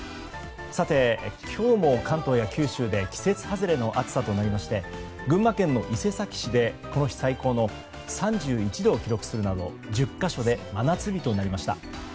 さて、今日も関東や九州で季節外れの暑さとなりまして群馬県の伊勢崎市で今年最高の３１度を記録するなど１０か所で真夏日となりました。